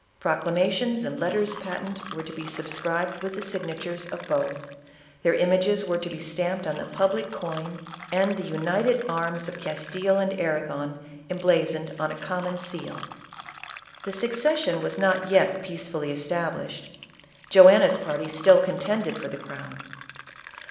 Proclamations and letters patent were to be subscribed with the signatures of both ; their images were to be stamped on the public coin, and the united arms of Castile and Arragon embla zoned on ix common seal." The succession was not yet peacefully established. Joanna's party still contended for the crown.